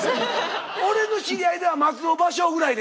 俺の知り合いでは松尾芭蕉ぐらいですよ。